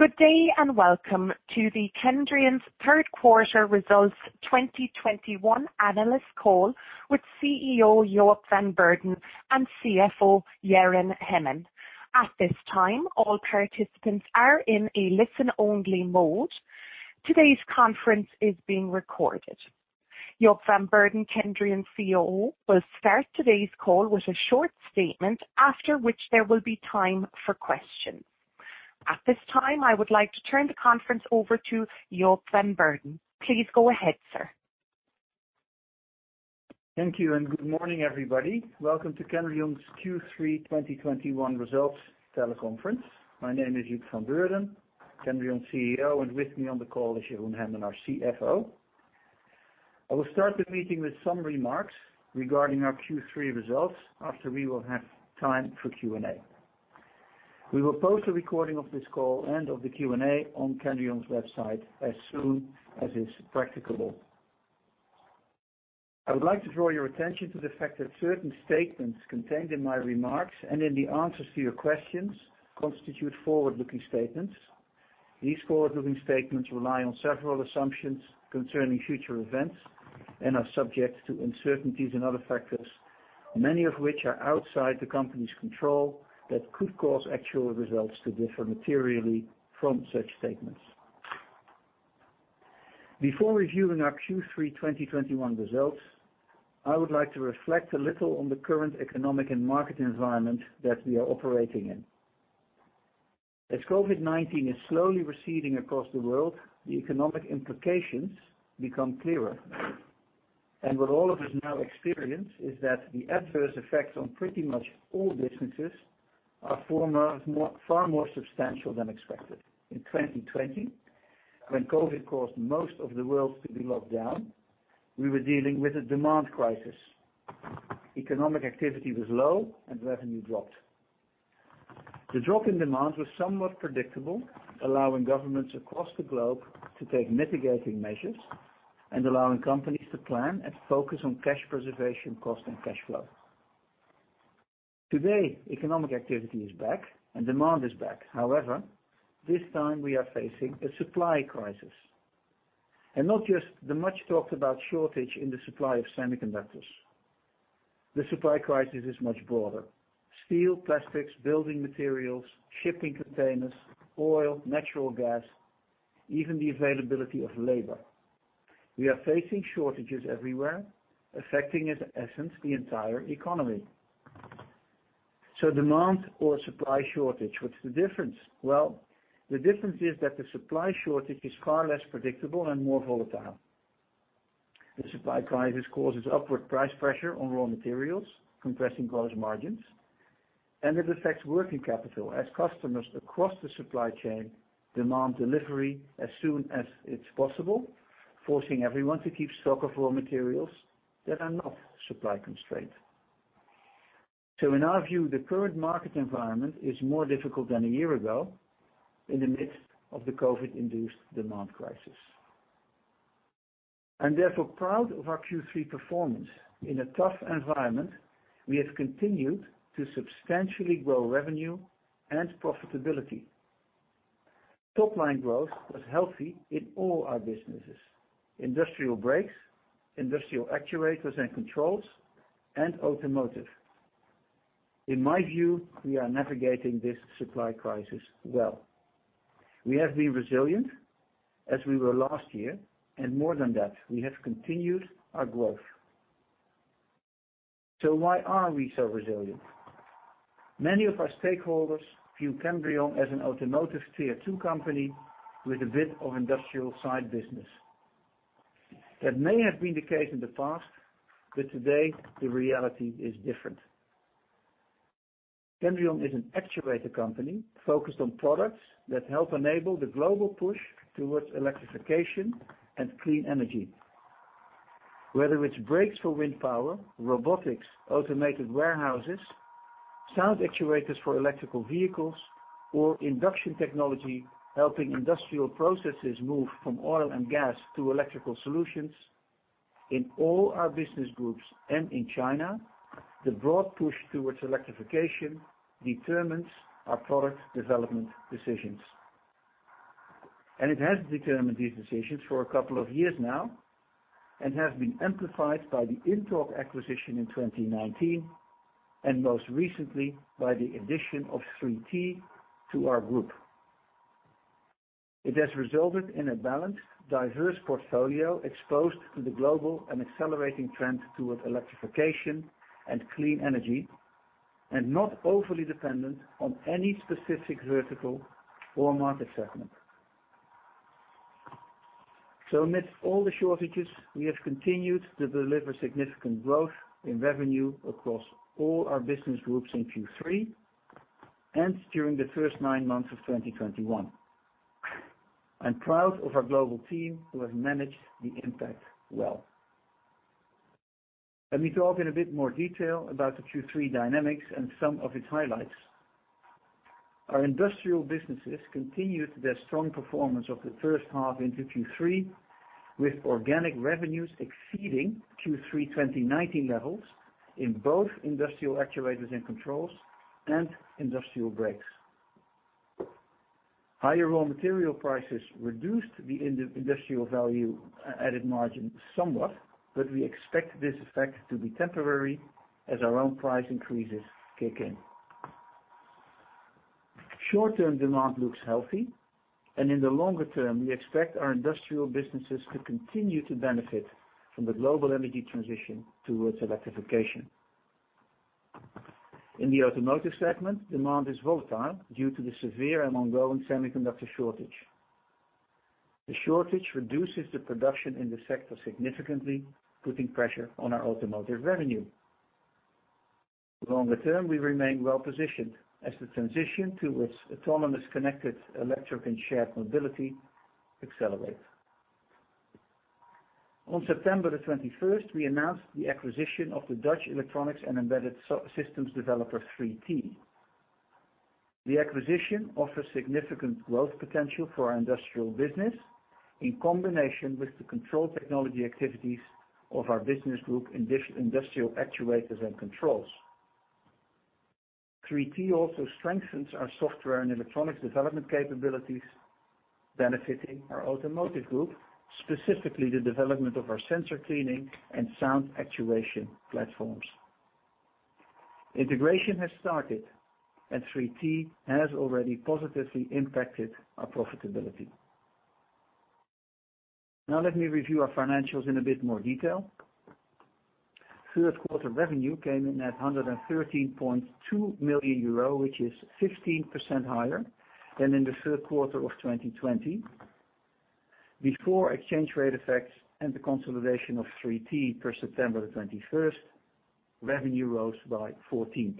Good day, and welcome to Kendrion's third quarter results 2021 analyst call with CEO Joep van Beurden and CFO Jeroen Hemmen. At this time, all participants are in a listen-only mode. Today's conference is being recorded. Joep van Beurden, Kendrion CEO, will start today's call with a short statement, after which there will be time for questions. At this time, I would like to turn the conference over to Joep van Beurden. Please go ahead, sir. Thank you, and good morning, everybody. Welcome to Kendrion's Q3 2021 results teleconference. My name is Joep van Beurden, Kendrion CEO, and with me on the call is Jeroen Hemmen, our CFO. I will start the meeting with some remarks regarding our Q3 results after we will have time for Q&A. We will post a recording of this call and of the Q&A on Kendrion's website as soon as is practicable. I would like to draw your attention to the fact that certain statements contained in my remarks and in the answers to your questions constitute forward-looking statements. These forward-looking statements rely on several assumptions concerning future events and are subject to uncertainties and other factors, many of which are outside the company's control, that could cause actual results to differ materially from such statements. Before reviewing our Q3 2021 results, I would like to reflect a little on the current economic and market environment that we are operating in. As COVID-19 is slowly receding across the world, the economic implications become clearer. What all of us now experience is that the adverse effects on pretty much all businesses are far more substantial than expected. In 2020, when COVID caused most of the world to be locked down, we were dealing with a demand crisis. Economic activity was low and revenue dropped. The drop in demand was somewhat predictable, allowing governments across the globe to take mitigating measures and allowing companies to plan and focus on cash preservation, cost, and cash flow. Today, economic activity is back and demand is back. However, this time we are facing a supply crisis. Not just the much-talked-about shortage in the supply of semiconductors. The supply crisis is much broader. Steel, plastics, building materials, shipping containers, oil, natural gas, even the availability of labor. We are facing shortages everywhere, affecting, in essence, the entire economy. Demand or supply shortage, what's the difference? Well, the difference is that the supply shortage is far less predictable and more volatile. The supply crisis causes upward price pressure on raw materials, compressing gross margins, and it affects working capital as customers across the supply chain demand delivery as soon as it's possible, forcing everyone to keep stock of raw materials that are not supply-constrained. In our view, the current market environment is more difficult than a year ago in the midst of the COVID-induced demand crisis. I'm therefore proud of our Q3 performance. In a tough environment, we have continued to substantially grow revenue and profitability. Top-line growth was healthy in all our businesses, Industrial Brakes, Industrial Actuators & Control, and Automotive. In my view, we are navigating this supply crisis well. We have been resilient, as we were last year, and more than that, we have continued our growth. Why are we so resilient? Many of our stakeholders view Kendrion as an Automotive Tier 2 company with a bit of Industrial side business. That may have been the case in the past, but today the reality is different. Kendrion is an actuator company focused on products that help enable the global push towards electrification and clean energy. Whether it's brakes for wind power, robotics, automated warehouses, sound actuators for electric vehicles, or induction technology helping industrial processes move from oil and gas to electrical solutions, in all our business groups and in China, the broad push towards electrification determines our product development decisions. It has determined these decisions for a couple of years now and has been amplified by the INTORQ acquisition in 2019, and most recently by the addition of 3T to our group. It has resulted in a balanced, diverse portfolio exposed to the global and accelerating trend towards electrification and clean energy, and not overly dependent on any specific vertical or market segment. Amidst all the shortages, we have continued to deliver significant growth in revenue across all our business groups in Q3 and during the first nine months of 2021. I'm proud of our global team who have managed the impact well. Let me talk in a bit more detail about the Q3 dynamics and some of its highlights. Our Industrial businesses continued their strong performance of the first half into Q3. With organic revenues exceeding Q3 2019 levels in both Industrial Actuators and Controls and Industrial Brakes. Higher raw material prices reduced the industrial value-added margin somewhat, but we expect this effect to be temporary as our own price increases kick in. Short-term demand looks healthy, and in the longer term, we expect our Industrial businesses to continue to benefit from the global energy transition towards electrification. In the Automotive segment, demand is volatile due to the severe and ongoing semiconductor shortage. The shortage reduces the production in the sector significantly, putting pressure on our Automotive revenue. Longer term, we remain well-positioned as the transition towards autonomous connected electric and shared mobility accelerate. On September the twenty-first, we announced the acquisition of the Dutch electronics and embedded systems developer 3T. The acquisition offers significant growth potential for our Industrial business in combination with the control technology activities of our business group Industrial Actuators and Controls. 3T also strengthens our software and electronics development capabilities benefiting our Automotive Group, specifically the development of our sensor cleaning and sound actuation platforms. Integration has started, and 3T has already positively impacted our profitability. Now let me review our financials in a bit more detail. Third quarter revenue came in at 113.2 million euro, which is 15% higher than in the third quarter of 2020. Before exchange rate effects and the consolidation of 3T per September 21st, revenue rose by 14%.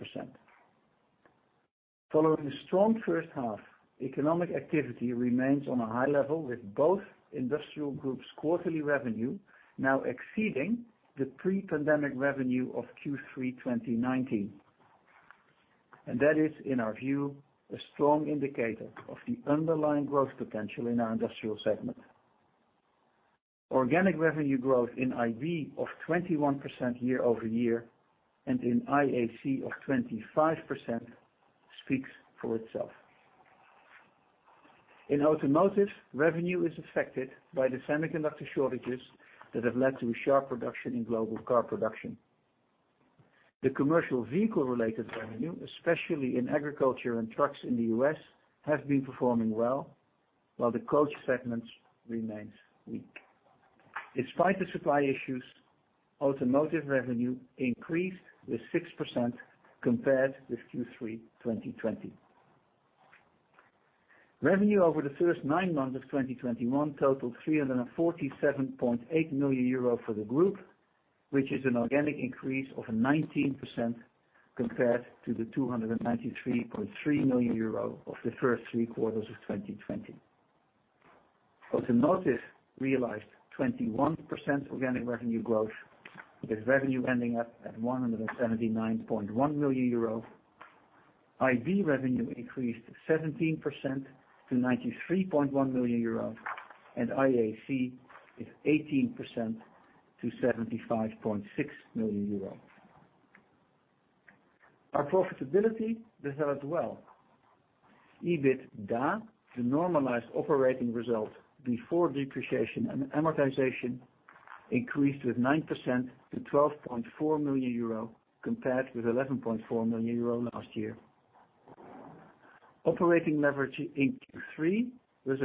Following the strong first half, economic activity remains on a high level with both Industrial Groups' quarterly revenue now exceeding the pre-pandemic revenue of Q3 2019. That is, in our view, a strong indicator of the underlying growth potential in our Industrial segment. Organic revenue growth in IB of 21% year-over-year and in IAC of 25% speaks for itself. In Automotive, revenue is affected by the semiconductor shortages that have led to a sharp reduction in global car production. The commercial vehicle-related revenue, especially in agriculture and trucks in the U.S., have been performing well, while the coach segment remains weak. Despite the supply issues, Automotive revenue increased with 6% compared with Q3 2020. Revenue over the first nine months of 2021 totaled 347.8 million euro for the group, which is an organic increase of 19% compared to the 293.3 million euro of the first three quarters of 2020. Automotive realized 21% organic revenue growth, with revenue ending up at 179.1 million euro. IB revenue increased 17% to 93.1 million euro, and IAC increased 18% to 75.6 million euro. Our profitability developed well. EBITDA, the normalized operating result before depreciation and amortization, increased by 9% to 12.4 million euro compared with 11.4 million euro last year. Operating leverage in Q3 was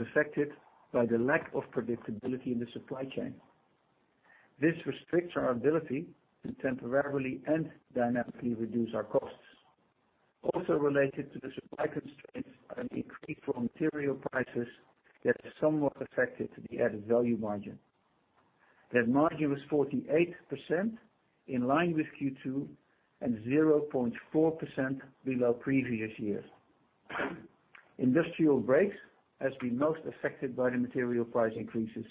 affected by the lack of predictability in the supply chain. This restricts our ability to temporarily and dynamically reduce our costs. Also related to the supply constraints are an increase in material prices that somewhat affected the added value margin. That margin was 48% in line with Q2, and 0.4% below previous year. Industrial Brakes has been most affected by the material price increases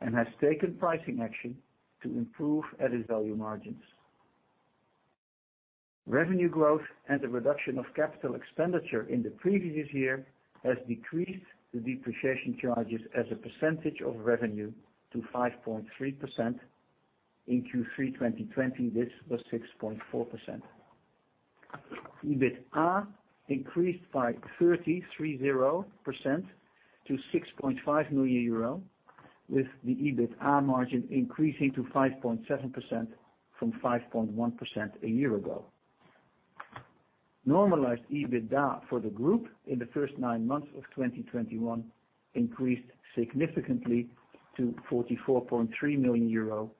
and has taken pricing action to improve added value margins. Revenue growth and the reduction of capital expenditure in the previous year has decreased the depreciation charges as a percentage of revenue to 5.3%. In Q3 2020, this was 6.4%. EBITA increased by 33% to 6.5 million euro, with the EBITA margin increasing to 5.7% from 5.1% a year ago. Normalized EBITDA for the group in the first nine months of 2021 increased significantly to 44.3 million euro,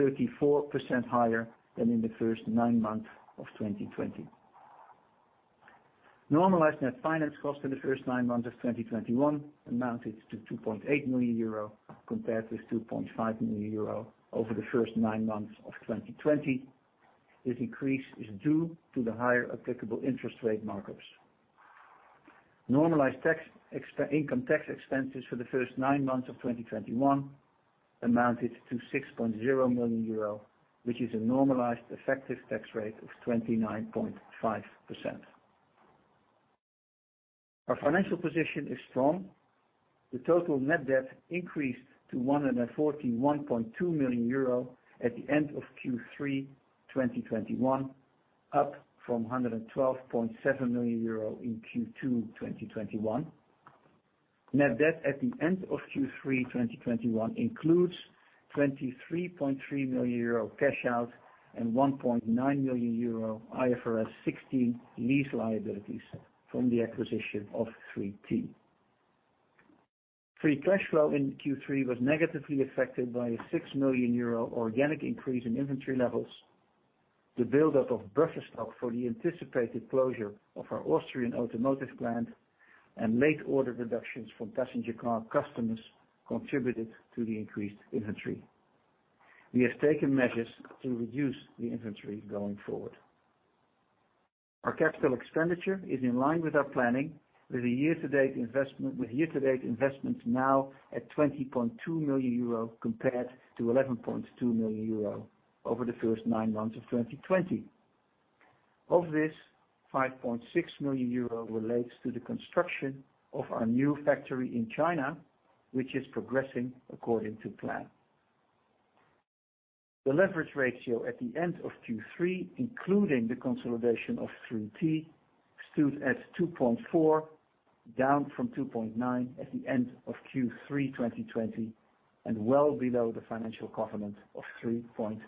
34% higher than in the first nine months of 2020. Normalized net finance cost in the first nine months of 2021 amounted to 2.8 million euro compared with 2.5 million euro over the first nine months of 2020. This increase is due to the higher applicable interest rate markups. Income tax expenses for the first nine months of 2021 amounted to 6.0 million euro, which is a normalized effective tax rate of 29.5%. Our financial position is strong. The total net debt increased to 141.2 million euro at the end of Q3 2021, up from 112.7 million euro in Q2 2021. Net debt at the end of Q3 2021 includes 23.3 million euro cash out and 1.9 million euro IFRS 16 lease liabilities from the acquisition of 3T. Free cash flow in Q3 was negatively affected by a 6 million euro organic increase in inventory levels. The build up of buffer stock for the anticipated closure of our Austrian Automotive plant and late order reductions from passenger car customers contributed to the increased inventory. We have taken measures to reduce the inventory going forward. Our capital expenditure is in line with our planning, with year-to-date investments now at 20.2 million euro compared to 11.2 million euro over the first nine months of 2020. Of this, 5.6 million euro relates to the construction of our new factory in China, which is progressing according to plan. The leverage ratio at the end of Q3, including the consolidation of 3T, stood at 2.4, down from 2.9 at the end of Q3 2020, and well below the financial covenant of 3.25.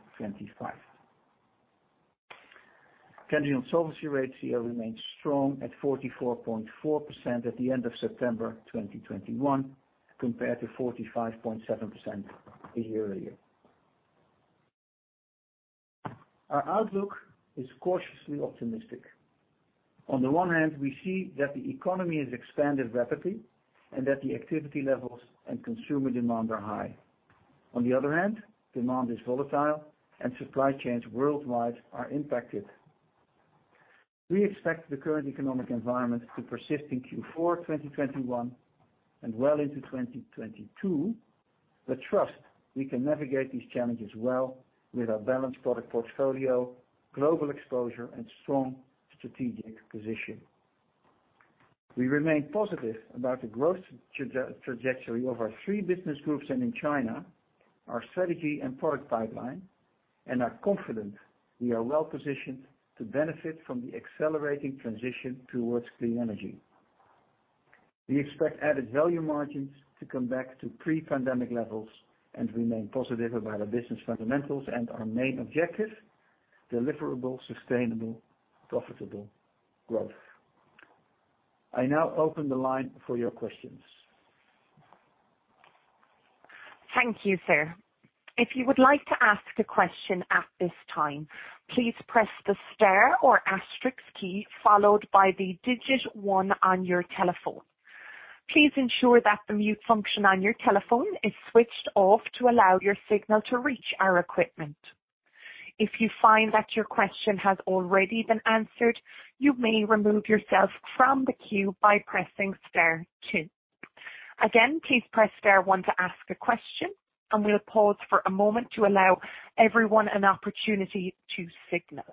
Kendrion solvency ratio remains strong at 44.4% at the end of September 2021, compared to 45.7% a year earlier. Our outlook is cautiously optimistic. On the one hand, we see that the economy has expanded rapidly and that the activity levels and consumer demand are high. On the other hand, demand is volatile and supply chains worldwide are impacted. We expect the current economic environment to persist in Q4 2021 and well into 2022, but trust we can navigate these challenges well with our balanced product portfolio, global exposure and strong strategic position. We remain positive about the growth trajectory of our three business groups and in China, our strategy and product pipeline, and are confident we are well positioned to benefit from the accelerating transition towards clean energy. We expect added value margins to come back to pre-pandemic levels and remain positive about our business fundamentals and our main objective, deliverable, sustainable, profitable growth. I now open the line for your questions. Thank you, sir. If you would like to ask a question at this time, please press the star or asterisk key followed by the digit one on your telephone. Please ensure that the mute function on your telephone is switched off to allow your signal to reach our equipment. If you find that your question has already been answered, you may remove yourself from the queue by pressing star two. Again, please press star one to ask a question, and we'll pause for a moment to allow everyone an opportunity to signal.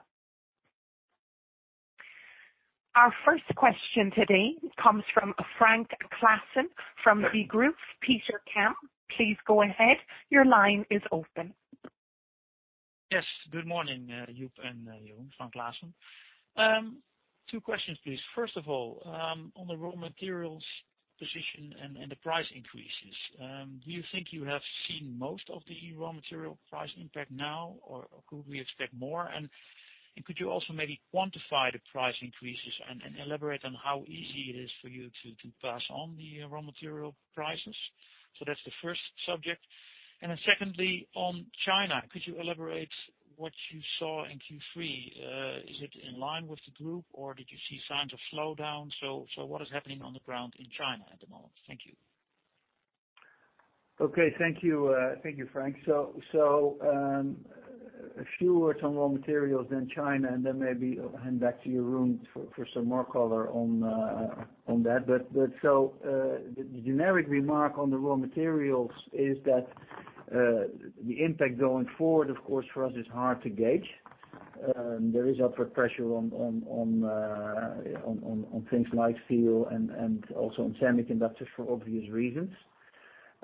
Our first question today comes from Frank Claassen from Degroof Petercam. Please go ahead. Your line is open. Yes, good morning, Joep and Jeroen. Frank Claassen. Two questions, please. First of all, on the raw materials position and the price increases, do you think you have seen most of the raw material price impact now, or could we expect more? Could you also maybe quantify the price increases and elaborate on how easy it is for you to pass on the raw material prices? That's the first subject. Then secondly, on China, could you elaborate what you saw in Q3? Is it in line with the group or did you see signs of slowdown? What is happening on the ground in China at the moment? Thank you. Okay, thank you. Thank you, Frank. A few words on raw materials, then China, and then maybe I'll hand back to Jeroen for some more color on that. The generic remark on the raw materials is that the impact going forward, of course, for us is hard to gauge. There is upward pressure on things like steel and also on semiconductors for obvious reasons.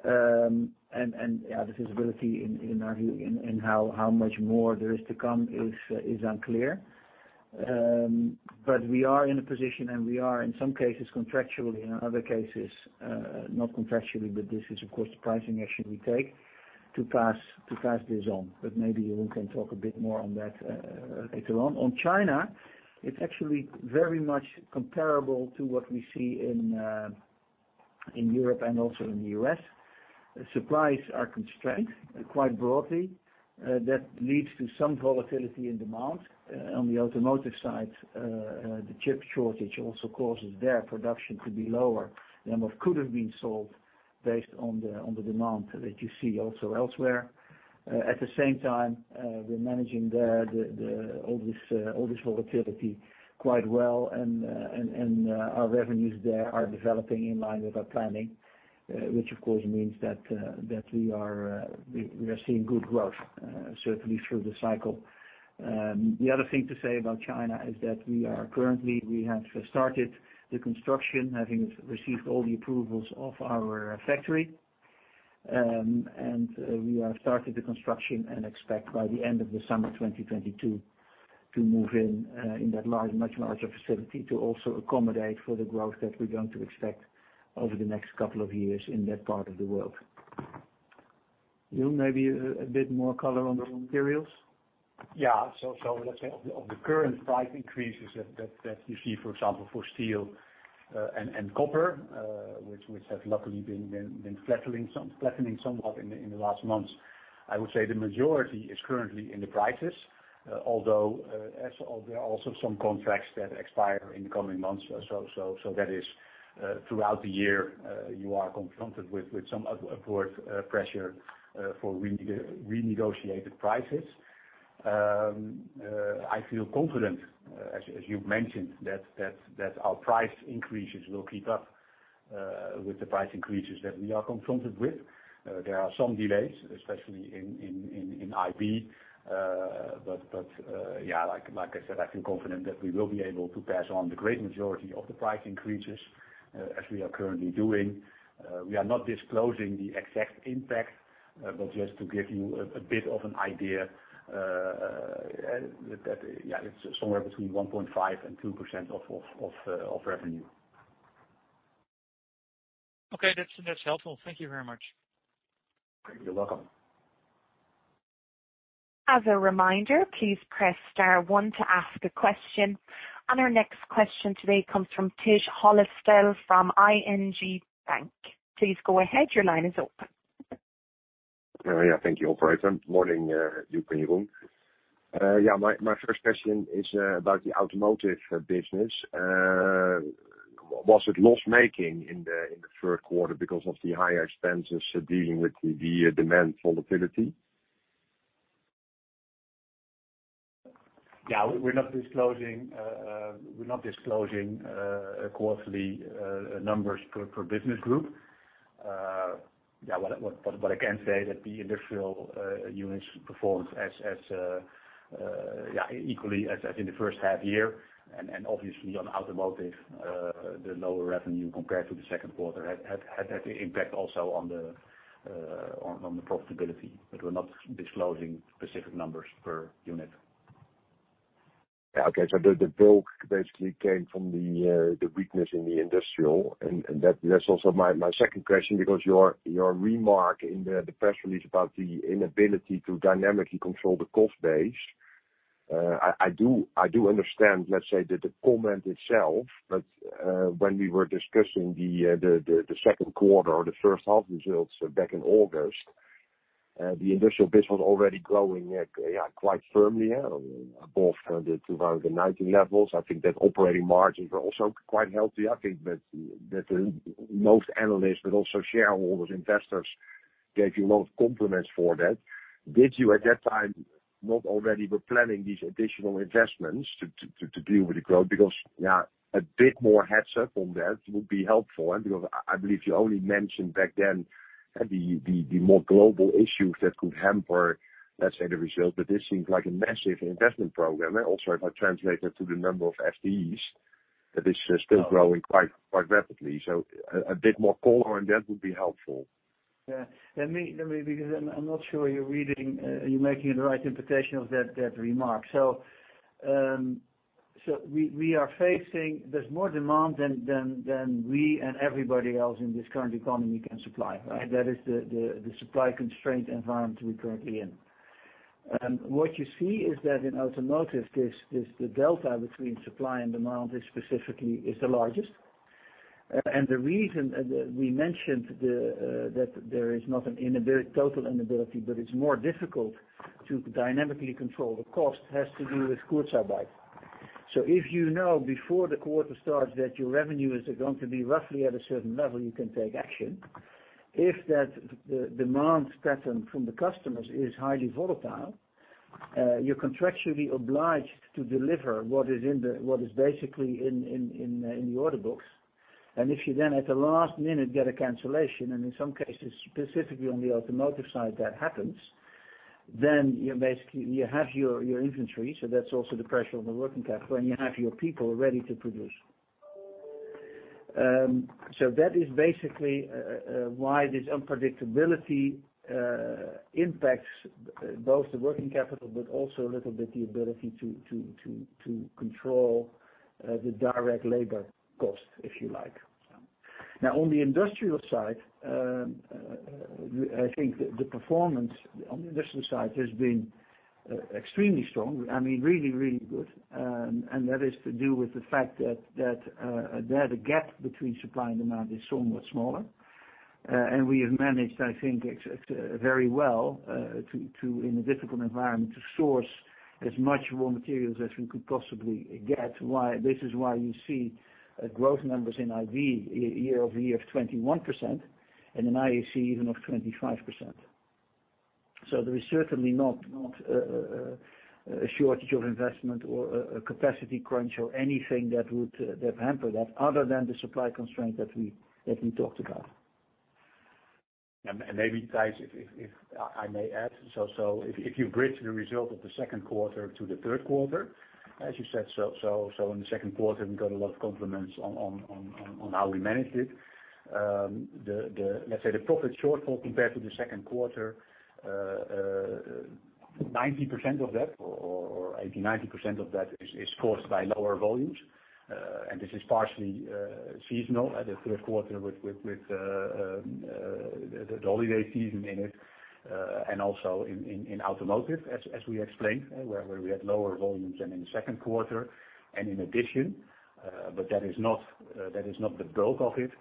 The visibility in our view in how much more there is to come is unclear. We are in a position and we are in some cases contractually, in other cases, not contractually, but this is of course the pricing action we take to pass this on. Maybe Jeroen can talk a bit more on that later on. On China, it's actually very much comparable to what we see in Europe and also in the U.S.. Supplies are constrained quite broadly. That leads to some volatility in demand. On the Automotive side, the chip shortage also causes their production to be lower than what could have been sold based on the demand that you see also elsewhere. At the same time, we're managing all this volatility quite well and our revenues there are developing in line with our planning. Which of course means that we are seeing good growth certainly through the cycle. The other thing to say about China is that we have started the construction, having received all the approvals of our factory, and expect by the end of the summer 2022 to move in that large, much larger facility to also accommodate for the growth that we're going to expect over the next couple of years in that part of the world. You maybe a bit more color on the raw materials? Yeah. Let's say of the current price increases that you see for example for steel and copper, which has luckily been flattening somewhat in the last months. I would say the majority is currently in the prices, although there are also some contracts that expire in the coming months. That is throughout the year you are confronted with some upward pressure for renegotiated prices. I feel confident, as you've mentioned, that our price increases will keep up with the price increases that we are confronted with. There are some delays, especially in IB, but yeah, like I said, I feel confident that we will be able to pass on the great majority of the price increases, as we are currently doing. We are not disclosing the exact impact, but just to give you a bit of an idea, that yeah, it's somewhere between 1.5% and 2% of revenue. Okay. That's helpful. Thank you very much. You're welcome. As a reminder, please press star one to ask a question. Our next question today comes from Tijs Hollestelle from ING Bank. Please go ahead. Your line is open. Yeah, thank you operator. Morning, Joep and Jeroen. Yeah, my first question is about the Automotive business. Was it loss-making in the third quarter because of the higher expenses dealing with the demand volatility? We're not disclosing quarterly numbers per business group. But what I can say is that the Industrial units performed equally as in the first half year. Obviously on Automotive, the lower revenue compared to the second quarter had an impact also on the profitability. We're not disclosing specific numbers per unit. Yeah. Okay. The bulk basically came from the weakness in the industrial, and that that's also my second question because your remark in the press release about the inability to dynamically control the cost base, I do understand, let's say that the comment itself. When we were discussing the second quarter or the first half results back in August, the Industrial business was already growing, yeah, quite firmly above the 2019 levels. I think that operating margins were also quite healthy. I think that most analysts would also share all those investors gave you a lot of compliments for that. Did you at that time not already were planning these additional investments to deal with the growth? Yeah, a bit more heads up on that would be helpful. Because I believe you only mentioned back then the more global issues that could hamper, let's say, the results. This seems like a massive investment program, and also if I translate it to the number of FTEs, that is still growing quite rapidly. A bit more color on that would be helpful. Let me, because I'm not sure you're making the right interpretation of that remark. We are facing there's more demand than we and everybody else in this current economy can supply, right? That is the supply constraint environment we're currently in. What you see is that in automotive, the delta between supply and demand is specifically the largest. The reason we mentioned that there is not a total inability, but it's more difficult to dynamically control the cost has to do with Kurzarbeit. If you know before the quarter starts that your revenue is going to be roughly at a certain level, you can take action. If that demand pattern from the customers is highly volatile, you're contractually obliged to deliver what is basically in the order books. If you then at the last minute get a cancellation, and in some cases specifically on the Automotive side that happens, then you basically have your inventory. That's also the pressure on the working capital, and you have your people ready to produce. That is basically why this unpredictability impacts both the working capital but also a little bit the ability to control the direct labor cost, if you like. Now, on the Industrial side, I think the performance on the Industrial side has been extremely strong. I mean, really, really good. That is to do with the fact that the gap between supply and demand is somewhat smaller. We have managed, I think, very well in a difficult environment to source as much raw materials as we could possibly get. This is why you see growth numbers in IB year-over-year of 21% and in IAC even of 25%. There is certainly not a shortage of investment or a capacity crunch or anything that would hamper that other than the supply constraint that we talked about. Maybe, Tijs, if I may add, if you bridge the result of the second quarter to the third quarter, as you said, in the second quarter, we got a lot of compliments on how we managed it. Let's say the profit shortfall compared to the second quarter, 90% of that or 80%, 90% of that is caused by lower volumes. This is partially seasonal at the third quarter with the holiday season in it, and also in automotive as we explained, where we had lower volumes than in the second quarter and in addition. That is not the bulk of it.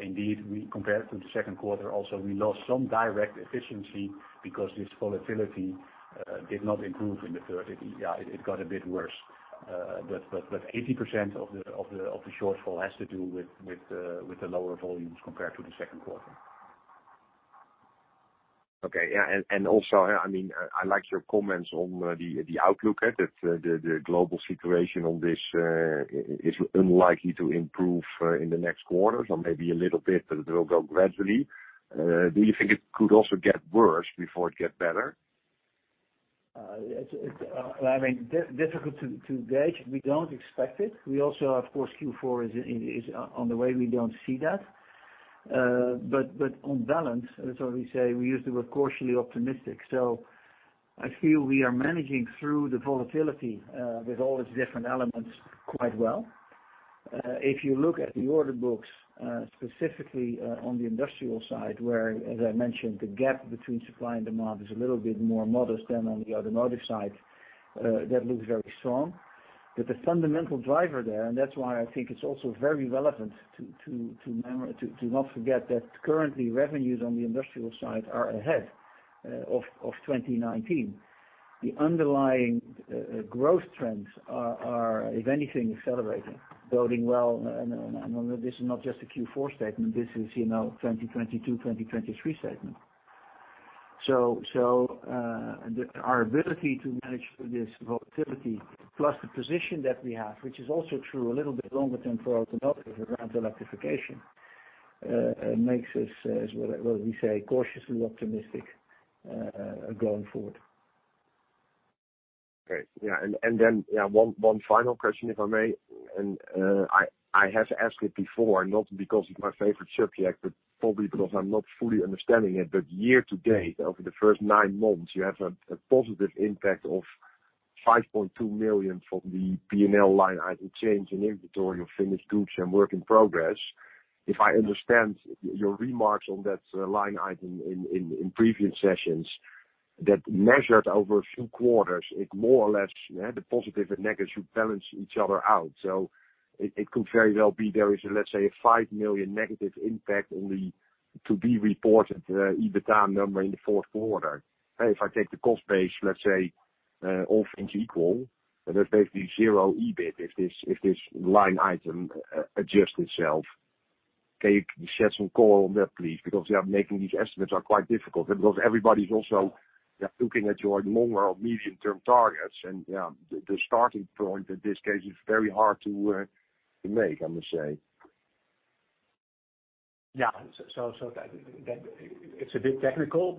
Indeed, compared to the second quarter also, we lost some direct efficiency because this volatility did not improve in the third. Yeah, it got a bit worse. 80% of the shortfall has to do with the lower volumes compared to the second quarter. Okay, yeah. I mean, I liked your comments on the outlook that the global situation on this is unlikely to improve in the next quarters or maybe a little bit, but it will go gradually. Do you think it could also get worse before it gets better? It's, I mean, difficult to gauge. We don't expect it. We also, of course, Q4 is on the way. We don't see that. On balance, as we say, we use the word cautiously optimistic. I feel we are managing through the volatility with all its different elements quite well. If you look at the order books, specifically, on the Industrial side, where, as I mentioned, the gap between supply and demand is a little bit more modest than on the automotive side, that looks very strong. The fundamental driver there, and that's why I think it's also very relevant to not forget that currently revenues on the Industrial side are ahead of 2019. The underlying growth trends are, if anything, accelerating, boding well. This is not just a Q4 statement. This is, you know, 2022, 2023 statement. Our ability to manage through this volatility plus the position that we have, which is also true a little bit longer term for automotive around electrification, makes us, as well, we say, cautiously optimistic going forward. Okay. Yeah. Then, one final question, if I may. I have asked it before, not because it's my favorite subject, but probably because I'm not fully understanding it. Year to date, over the first nine months, you have a positive impact of 5.2 million from the P&L line item change in inventory of finished goods and work in progress. If I understand your remarks on that line item in previous sessions, that measured over a few quarters, it more or less, the positive and negative should balance each other out. It could very well be there is, let's say, a 5 million negative impact on the to be reported EBITDA number in the fourth quarter. If I take the cost base, let's say, all things equal, there's basically zero EBIT if this line item adjust itself. Can you shed some color on that, please? Because, yeah, making these estimates are quite difficult because everybody's also, yeah, looking at your long or medium-term targets. Yeah, the starting point in this case is very hard to make, I must say. That it's a bit technical,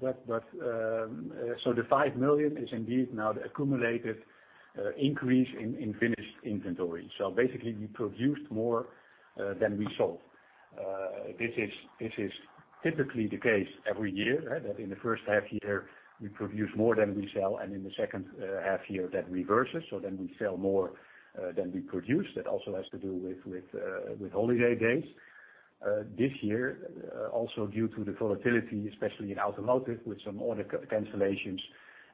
but the 5 million is indeed now the accumulated increase in finished inventory. Basically, we produced more than we sold. This is typically the case every year, right? In the first half year, we produce more than we sell, and in the second half year, that reverses. Then we sell more than we produce. That also has to do with holiday days. This year also due to the volatility, especially in automotive with some order cancellations,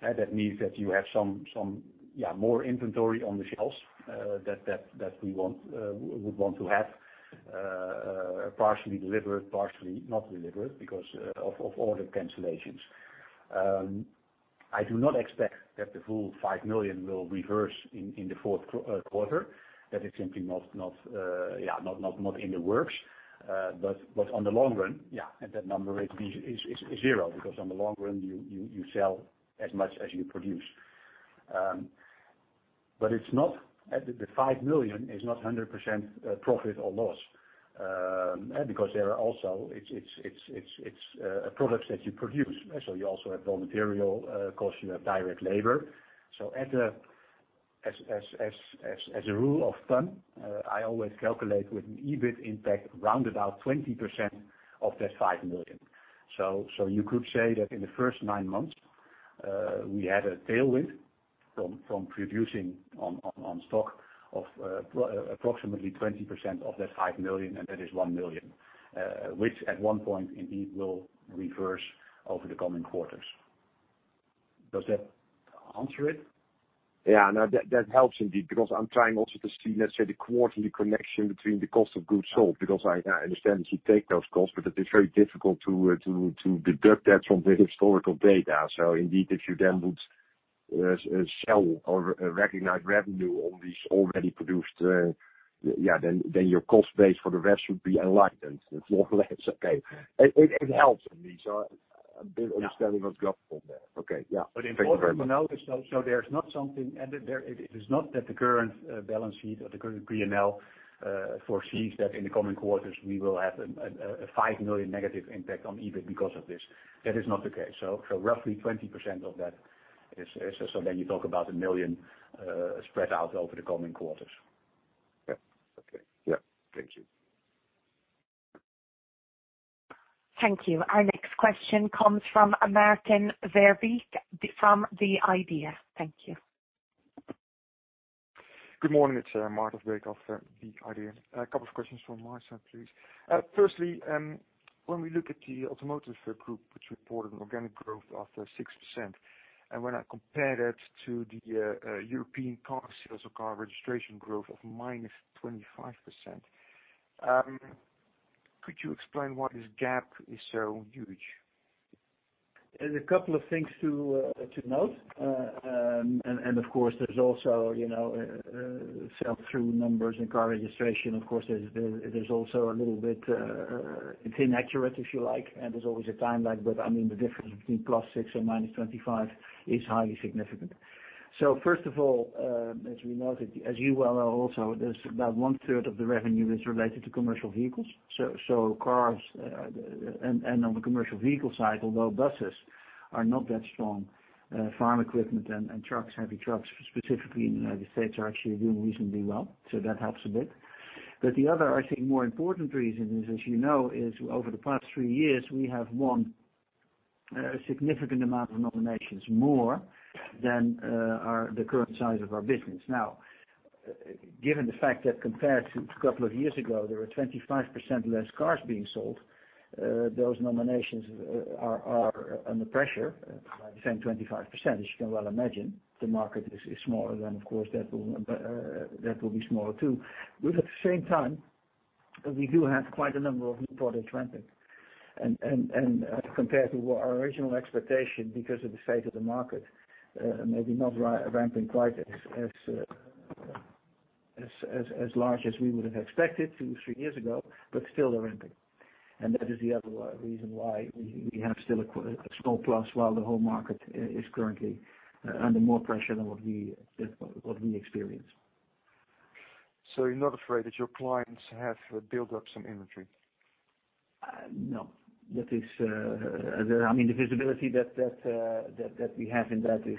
that means that you have more inventory on the shelves that we would want to have, partially delivered, partially not delivered because of order cancellations. I do not expect that the full 5 million will reverse in the fourth quarter. That is simply not in the works. On the long run, that number is zero because on the long run, you sell as much as you produce. The 5 million is not 100% profit or loss because there are also products that you produce. You also have raw material cost, you have direct labor. As a rule of thumb, I always calculate with an EBIT impact rounded out 20% of that 5 million. You could say that in the first nine months, we had a tailwind from producing on stock of approximately 20% of that 5 million, and that is 1 million, which at one point indeed will reverse over the coming quarters. Does that answer it? Yeah. No, that helps indeed, because I'm trying also to see, let's say, the quarterly connection between the cost of goods sold, because I understand you take those costs, but it is very difficult to deduct that from the historical data. Indeed, if you then, as you sell or recognize revenue on these already produced, then your cost base for the rest should be lightened more or less. Okay. It helps me. A bit of understanding of the drop from there. Okay. Yeah. Thank you very much. Important to note is, so there's not something. It is not that the current balance sheet or the current P&L foresees that in the coming quarters we will have a 5 million negative impact on EBIT because of this. That is not the case. Roughly 20% of that is. Then you talk about 1 million spread out over the coming quarters. Yeah. Okay. Yeah. Thank you. Thank you. Our next question comes from Maarten Verbeek from The IDEA!. Thank you. Good morning. It's Maarten Verbeek of The IDEA!. A couple of questions from my side, please. Firstly, when we look at the Automotive Group, which reported an organic growth of 6%, and when I compare that to the European car sales or car registration growth of -25%, could you explain why this gap is so huge? There's a couple of things to note. Of course, there's also, you know, sell-through numbers and car registration. Of course, there's also a little bit inaccurate, if you like, and there's always a timeline. I mean, the difference between +6% and -25% is highly significant. First of all, as we noted, as you well know also, there's about one third of the revenue is related to commercial vehicles. Cars and on the commercial vehicle side, although buses are not that strong, farm equipment and trucks, heavy trucks, specifically in the United States, are actually doing reasonably well. That helps a bit. The other, I think, more important reason is, as you know, over the past three years, we have won a significant amount of nominations, more than the current size of our business. Now, given the fact that compared to a couple of years ago, there were 25% less cars being sold, those nominations are under pressure by the same 25%. As you can well imagine, the market is smaller than, of course, that will be smaller too. At the same time, we do have quite a number of new products ramping. Compared to our original expectation because of the state of the market, maybe not ramping quite as large as we would have expected two, three years ago, but still they're ramping. That is the other reason why we have still a small plus while the whole market is currently under more pressure than what we experience. You're not afraid that your clients have built up some inventory? No. I mean, the visibility that we have in that is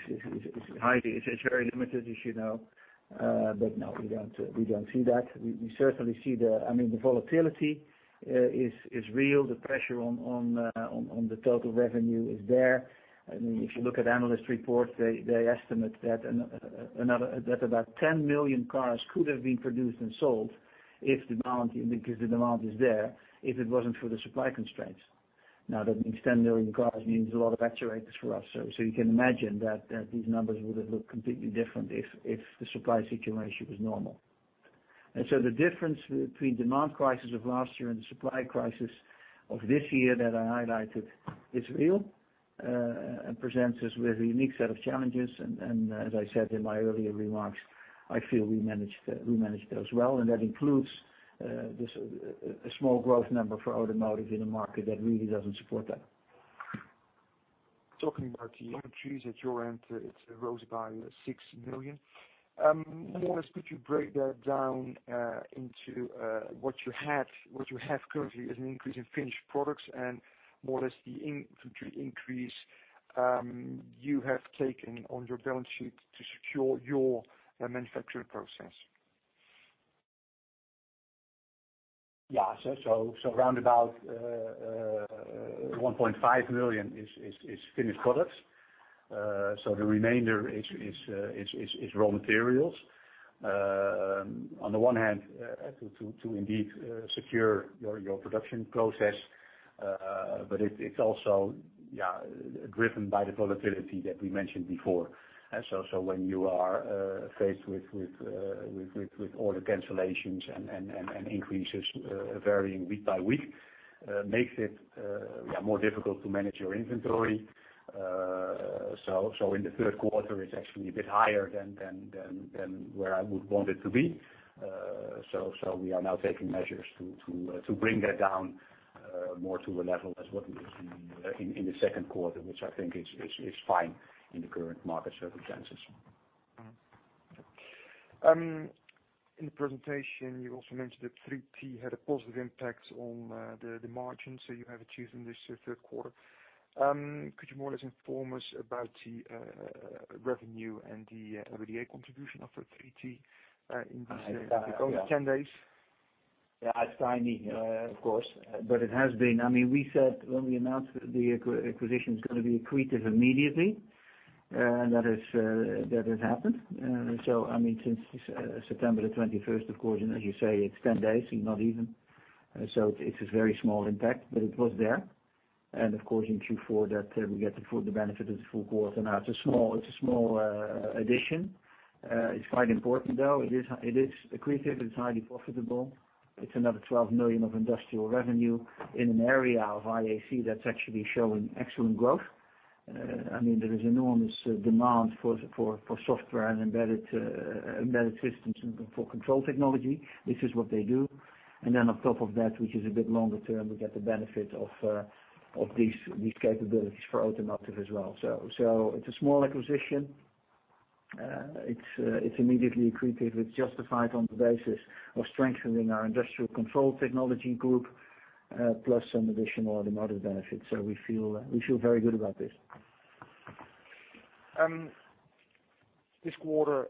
high. It's very limited, as you know. No, we don't see that. We certainly see I mean, the volatility is real. The pressure on the total revenue is there. I mean, if you look at analyst reports, they estimate that another, about 10 million cars could have been produced and sold if the demand, because the demand is there, if it wasn't for the supply constraints. Now, that means 10 million cars means a lot of actuators for us. You can imagine that these numbers would have looked completely different if the supply situation was normal. The difference between demand crisis of last year and the supply crisis of this year that I highlighted is real, and presents us with a unique set of challenges. As I said in my earlier remarks, I feel we managed those well, and that includes this, a small growth number for Automotive in a market that really doesn't support that. Talking about the inventories, at your end, it rose by 6 million. More or less, could you break that down into what you have currently as an increase in finished products and more or less the inventory increase you have taken on your balance sheet to secure your manufacturing process? Round about 1.5 million is finished products. The remainder is raw materials. On the one hand, to indeed secure your production process. But it's also driven by the volatility that we mentioned before. When you are faced with order cancellations and increases varying week by week, makes it more difficult to manage your inventory. In the third quarter, it's actually a bit higher than where I would want it to be. We are now taking measures to bring that down more to a level as what it was in the second quarter, which I think is fine in the current market circumstances. In the presentation, you also mentioned that 3T had a positive impact on the margins you have achieved in this third quarter. Could you more or less inform us about the revenue and the EBITDA contribution of 3T in these only 10 days? Yeah, it's tiny, of course, but it has been. I mean, we said when we announced the acquisition is gonna be accretive immediately, and that is, that has happened. I mean, since September 21st, of course, and as you say, it's 10 days, not even. It's a very small impact, but it was there. Of course, in Q4 that we get the full benefit of the full quarter. Now, it's a small addition. It's quite important though. It is accretive, it's highly profitable. It's another 12 million of Industrial revenue in an area of IAC that's actually showing excellent growth. I mean, there is enormous demand for software and embedded systems and for control technology. This is what they do. On top of that, which is a bit longer term, we get the benefit of these capabilities for automotive as well. It's a small acquisition. It's immediately accretive. It's justified on the basis of strengthening our Industrial Control Technology Group, plus some additional automotive benefits. We feel very good about this. This quarter,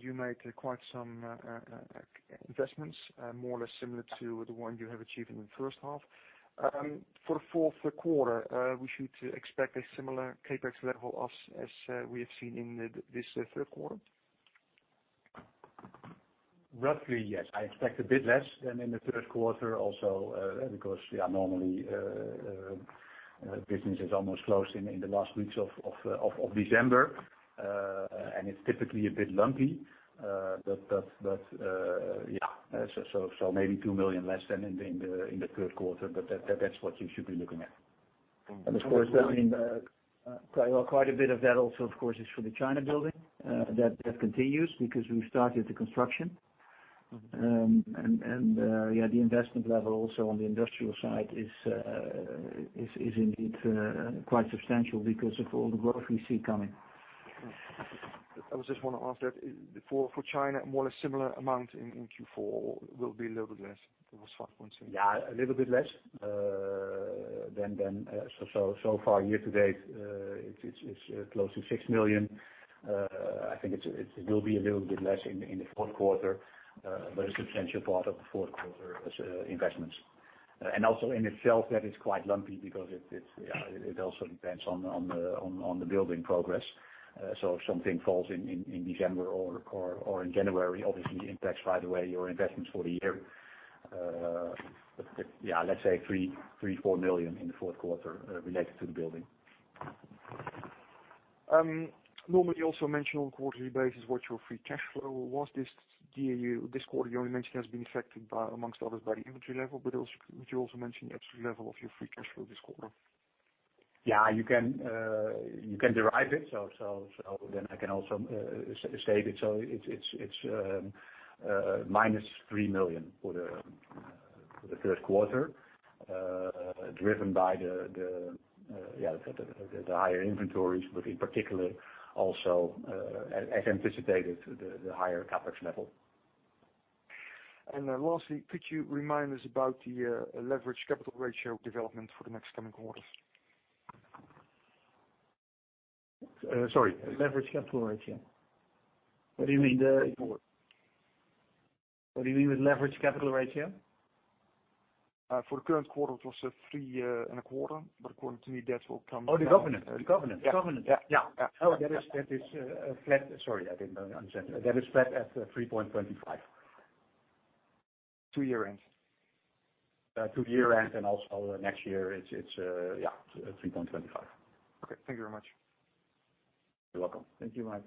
you made quite some investments, more or less similar to the one you have achieved in the first half. For the fourth quarter, we should expect a similar CapEx level as we have seen in this third quarter? Roughly, yes. I expect a bit less than in the third quarter also because normally business is almost closed in the last weeks of December. It's typically a bit lumpy. Maybe 2 million less than in the third quarter, but that's what you should be looking at. Of course, I mean, quite a bit of that also, of course, is for the China building that continues because we started the construction. The investment level also on the Industrial side is indeed quite substantial because of all the growth we see coming. I just want to ask that for China, more or less similar amount in Q4 will be a little bit less. It was 5.6 million. Yeah, a little bit less than so far year to date, it's close to 6 million. I think it will be a little bit less in the fourth quarter, but a substantial part of the fourth quarter as investments. Also in itself, that is quite lumpy because it also depends on the building progress. If something falls in December or in January, it obviously impacts right away your investments for the year. Yeah, let's say 3 million, 4 million in the fourth quarter related to the building. Normally you also mention on a quarterly basis what your free cash flow was this year. This quarter you only mentioned has been affected by, among others, by the inventory level. Also, would you also mention the absolute level of your free cash flow this quarter? Yeah, you can derive it. Then I can also state it. It's -3 million for the third quarter, driven by the higher inventories, but in particular also, as anticipated, the higher CapEx level. Lastly, could you remind us about the leverage capital ratio development for the next coming quarters? Sorry. Leverage capital ratio. What do you mean? What do you mean with leverage capital ratio? For the current quarter, it was 3.25. According to me, that will come down. Oh, the covenant. Yeah. Yeah. Oh, that is flat. Sorry, I didn't understand. That is flat at 3.25. To year end. To year end, and also next year it's yeah, 3.25. Okay, thank you very much. You're welcome. Thank you, Mark.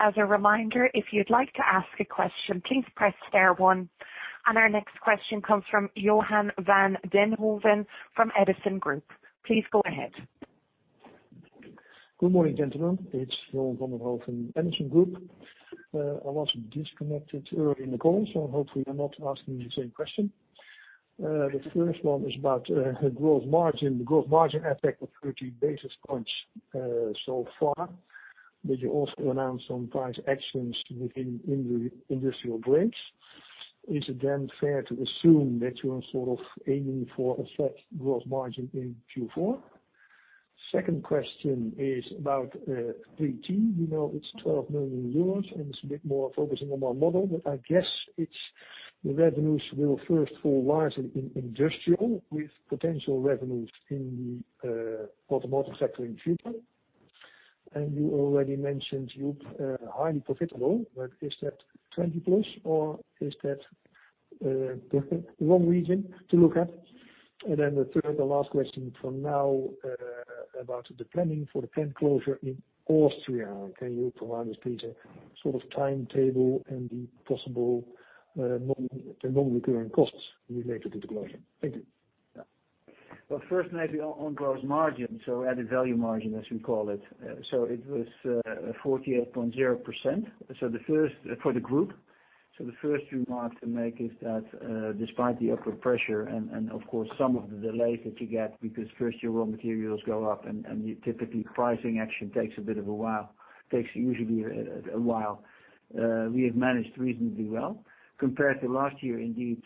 As a reminder, if you'd like to ask a question, please press star one. Our next question comes from Johan van den Hooven from Edison Group. Please go ahead. Good morning, gentlemen. It's Johan van den Hooven from Edison Group. I was disconnected early in the call, so hopefully I'm not asking the same question. The first one is about growth margin. The growth margin effect of 30 basis points so far. You also announced some price actions within Industrial Brakes. Is it then fair to assume that you are sort of aiming for a flat growth margin in Q4? Second question is about 3T. We know it's 12 million euros, and it's a bit more focusing on our model, but I guess it's the revenues will first fall largely in Industrial with potential revenues in the Automotive sector in future. You already mentioned you're highly profitable, but is that 20+ or is that the wrong region to look at? The third and last question for now, about the planning for the plant closure in Austria. Can you provide us, please, a sort of timetable and the possible non-recurring costs related to the closure? Thank you. Well, first maybe on gross margin, so added value margin, as we call it. It was 48%. For the group, the first remark to make is that, despite the upward pressure and of course some of the delays that you get because first your raw materials go up and typically pricing action takes usually a while, we have managed reasonably well. Compared to last year, indeed,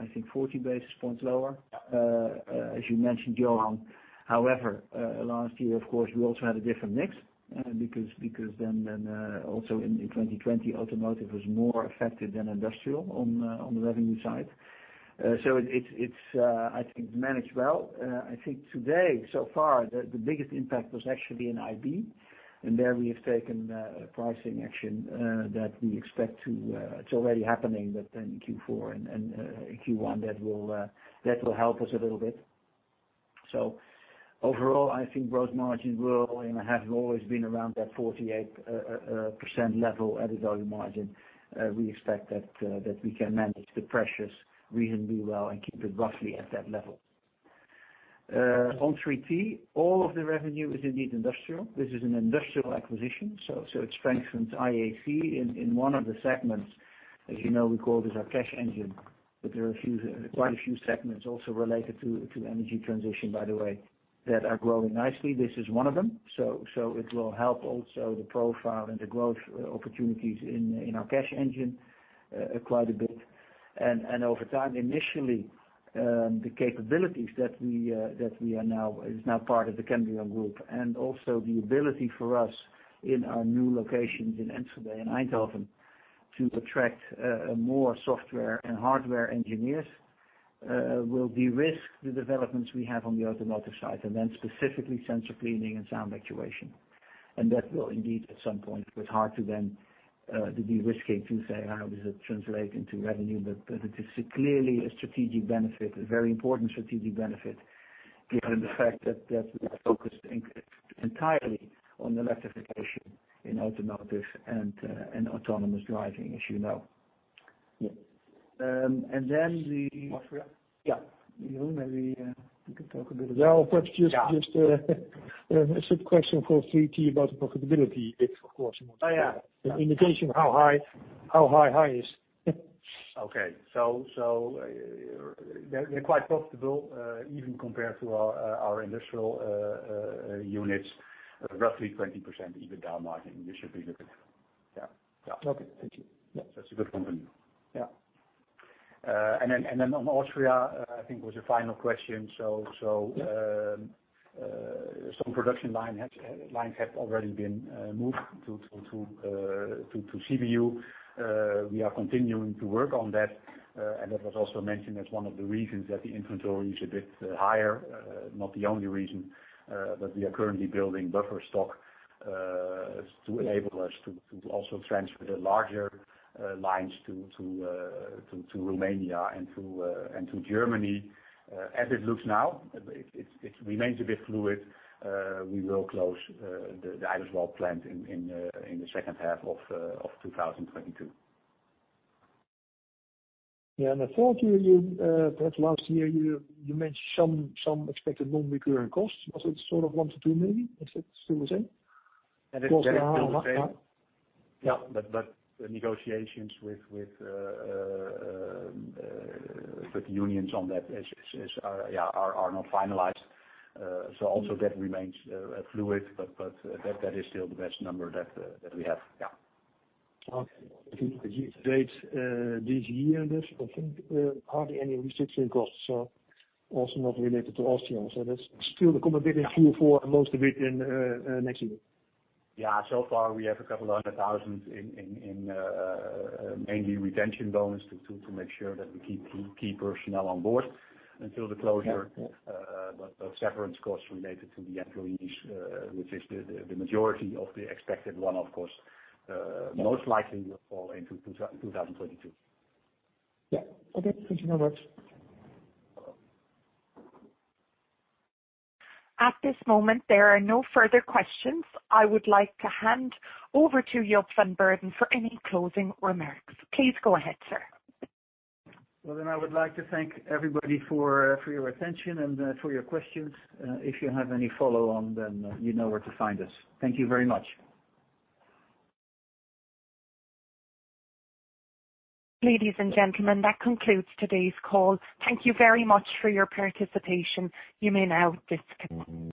I think 40 basis points lower, as you mentioned, Johan. However, last year, of course, we also had a different mix, because then also in 2020 Automotive was more affected than Industrial on the revenue side. It's, I think managed well. I think today so far the biggest impact was actually in IB, and there we have taken pricing action that it's already happening, but then in Q4 and in Q1 that will help us a little bit. Overall, I think gross margins will and have always been around that 48% level value-added margin. We expect that we can manage the pressures reasonably well and keep it roughly at that level. On 3T, all of the revenue is indeed industrial. This is an industrial acquisition, so it strengthens IAC in one of the segments, as you know, we call this our cash engine, but there are a few, quite a few segments also related to energy transition, by the way, that are growing nicely. This is one of them. It will help also the profile and the growth opportunities in our cash engine quite a bit. Over time, initially, the capabilities that are now part of the Kendrion Group, and also the ability for us in our new locations in Amsterdam and Eindhoven to attract more software and hardware engineers will de-risk the developments we have on the Automotive side, and then specifically sensor cleaning and sound actuation. That will indeed at some point. It's hard to de-risk it, to say, how does it translate into revenue? It is clearly a strategic benefit, a very important strategic benefit, given the fact that we're focused entirely on electrification in automotive and autonomous driving, as you know. Yes. Um, and then the- Austria. Yeah. Maybe we could talk a bit about. Well, perhaps just a sub question for 3T about the profitability bit, of course. Oh, yeah. An indication of how high high is. Okay. They're quite profitable, even compared to our Industrial units. Roughly 20% EBITDA margin we should be looking at. Yeah. Okay. Thank you. Yeah. That's a good one for you. Yeah. On Austria, I think was your final question. Some production lines have already been moved to Sibiu. We are continuing to work on that, and that was also mentioned as one of the reasons that the inventory is a bit higher. Not the only reason, but we are currently building buffer stock to enable us to also transfer the larger lines to Romania and to Germany. As it looks now, it remains a bit fluid. We will close the Eibiswald plant in the second half of 2022. I thought you perhaps last year mentioned some expected non-recurring costs. Was it sort of 1 million-2 million maybe? Is it still the same? That is still the same. Yeah. The negotiations with the unions on that are not finalized. Also that remains fluid. That is still the best number that we have. Yeah. Okay. To date, this year, there's, I think, hardly any restructuring costs, so also not related to Austria. That's still the common belief for most of it in next year. Yeah. Far, we have a couple of hundred thousand in mainly retention bonus to make sure that we keep personnel on board until the closure. Yeah. Severance costs related to the employees, which is the majority of the expected one-off costs, most likely will fall into 2022. Yeah. Okay. Thank you very much. At this moment, there are no further questions. I would like to hand over to Joep van Beurden for any closing remarks. Please go ahead, sir. Well, I would like to thank everybody for your attention and for your questions. If you have any follow-on, you know where to find us. Thank you very much. Ladies and gentlemen, that concludes today's call. Thank you very much for your participation. You may now disconnect.